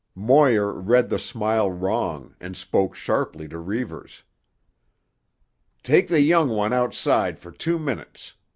Moir read the smile wrong and spoke sharply to Reivers. "Take the young one outside for two minutes.